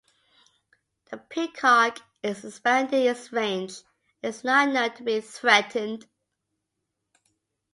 The peacock is expanding its range and is not known to be threatened.